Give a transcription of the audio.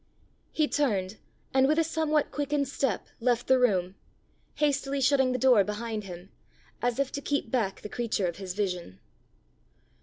He turned, and with a somewhat quickened step left the room, hastily shutting the door behind him, as if to keep back the creature of his vision.